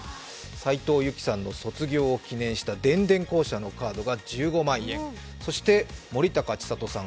斉藤由貴さんの「卒業」を記念して電電公社のカードが１５万円、そして、森高千里さん。